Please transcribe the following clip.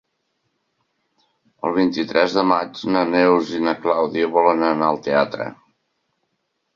El vint-i-tres de maig na Neus i na Clàudia volen anar al teatre.